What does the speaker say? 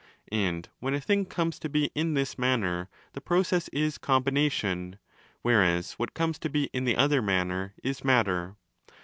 And when a thing comes to be in ¢hzs 20 manner, the process is 'combination'; whereas what comes to be in the other manner! is matter.